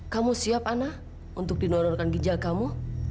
kamu siap ana untuk dinororkan ginjal kamu